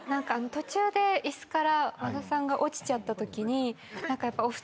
途中で椅子から和田さんが落ちちゃったときに。